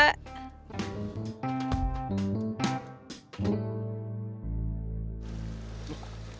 kale itu bukan emosiaknya